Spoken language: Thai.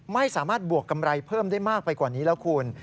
ไม่สามารถบวกกำไรเพิ่มได้มากไปกว่านี้แล้วคุณ